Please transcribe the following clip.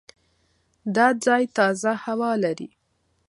دا ځای تازه هوا لري.